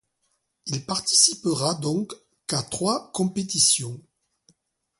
Il participera donc qu'à trois compétitions.